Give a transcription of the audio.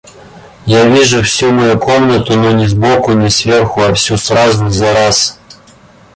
Я вижу всю мою комнату, но не сбоку, не сверху, а всю сразу, зараз.